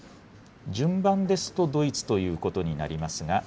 順番ですと、ドイツということになりますが。